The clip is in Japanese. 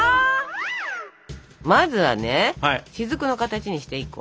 まずはねしずくの形にして１個。